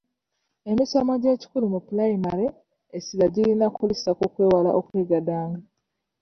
Emisomo gy'ekikulu mu pulayimale essira girina kulissa ku kwewala okwegadanga.